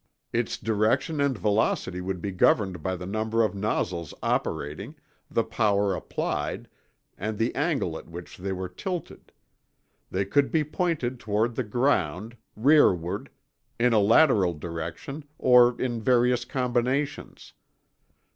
"Its direction and velocity would be governed by the number of nozzles operating, the power applied, and the angle at which they were tilted. They could be pointed toward the ground, rearward, in a lateral direction, or in various combinations.